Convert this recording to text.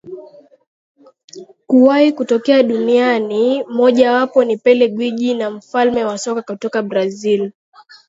kuwahi kutokea duniani Moja wapo ni Pele Gwiji na mfalme wa soka kutoka Brazil